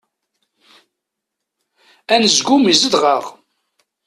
Anezgum izdeɣ-aɣ.